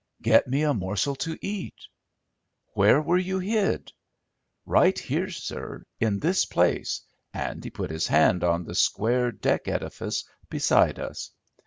"Get me a morsel to eat." "Where were you hid?" "Right here, sir, in this place," and he put his hand on the square deck edifice beside us.